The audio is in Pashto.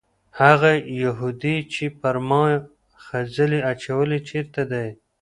هغه یهودي چې پر ما یې خځلې اچولې چېرته دی؟